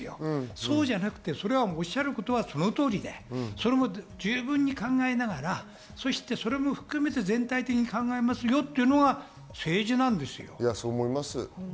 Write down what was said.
そうじゃなくて、おっしゃることはその通りで、それを十分に考えながらそれも含めて全体的に考えますよというのが政治なんですよ。